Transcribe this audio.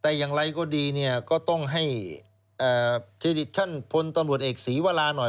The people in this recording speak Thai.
แต่อย่างไรก็ดีก็ต้องให้ทฤษฎิตท่านพลตำรวจเอกสีวลาหน่อย